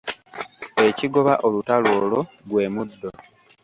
Ekigoba olutalo olwo gwe muddo.